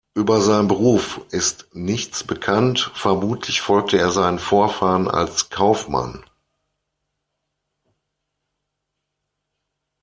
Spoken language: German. Über seinen Beruf ist nichts bekannt, vermutlich folgte er seinen Vorfahren als Kaufmann.